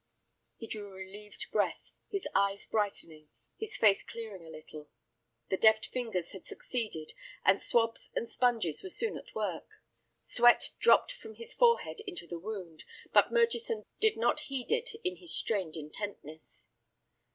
He drew a relieved breath, his eyes brightening, his face clearing a little. The deft fingers had succeeded, and swabs and sponges were soon at work. Sweat dropped from his forehead into the wound, but Murchison did not heed it in his strained intentness.